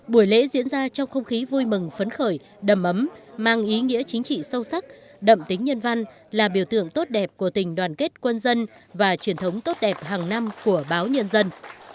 buổi lễ diễn ra trong không khí vui mừng phấn khởi đầm ấm mang ý nghĩa chính trị sâu sắc đậm tính nhân văn là biểu tượng tốt đẹp của tình đoàn kết quân dân và truyền thống tốt đẹp hàng năm của báo nhân dân